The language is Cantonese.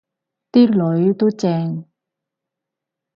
啲囡都正